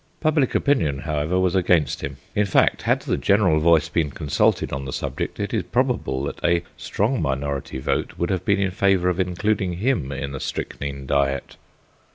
Public opinion, however, was against him in fact, had the general voice been consulted on the subject it is probable that a strong minority vote would have been in favour of including him in the strychnine diet.